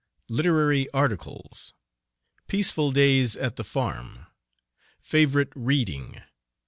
LITERARY ARTICLES. PEACEFUL DAYS AT THE FARM. FAVORITE READING.